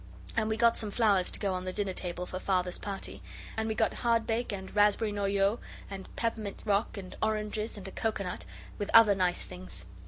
And we got some flowers to go on the dinner table for Father's party. And we got hardbake and raspberry noyau and peppermint rock and oranges and a coconut, with other nice things.